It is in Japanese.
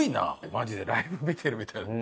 マジでライブ見てるみたいだった。